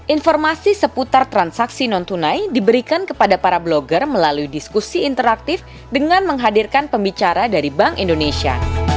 informasi seputar transaksi non tunai diberikan kepada para blogger melalui diskusi interaktif dengan menghadirkan pembicara dari bank indonesia